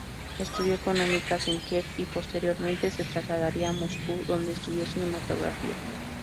Estudió económicas en Kiev y posteriormente se trasladaría a Moscú donde estudió cinematografía.